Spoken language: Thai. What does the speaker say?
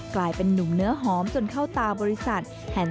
กลายเป็นนุ่มเนื้อหอมจนเข้าตาบริษัท